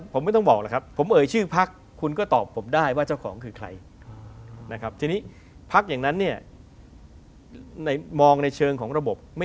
ผมไม่ต้องบอกครับผมเอ่ยชื่อพักคุณก็ตอบผมได้ว่าเจ้าของคือใคร